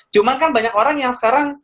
cuma kan banyak orang yang sekarang